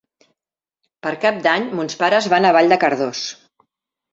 Per Cap d'Any mons pares van a Vall de Cardós.